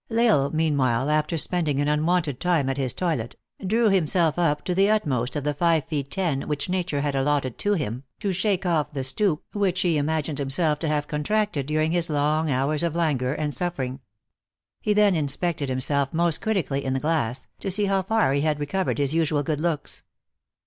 L IsLE, meanwhile, after spending an unwonted time at his toilet, drew himself up to the utmost of the five feet ten which nature had allotted to him, to shake off the stoop which he imagined himself to have con tracted during his long hours of languor and suffer ing. He then inspected himself most critically in the glass, to see how far he had recovered his usual good looks.